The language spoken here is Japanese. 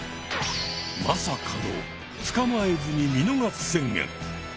まさかの「つかまえずに見逃す」宣言。